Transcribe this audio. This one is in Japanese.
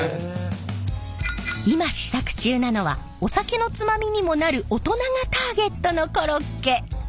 今試作中なのはお酒のつまみにもなる大人がターゲットのコロッケ。